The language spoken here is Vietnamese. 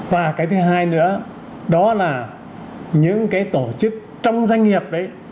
và cái thứ hai nữa đó là những cái tổ chức trong doanh nghiệp đấy